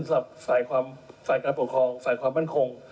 สำหรับฝ่ายความการปกครองฝ่ายความมั่นคง